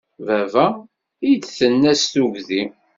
Baba! I d-tenna s tugdi.